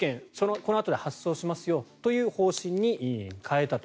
このあとで発送しますよという方針に変えたと。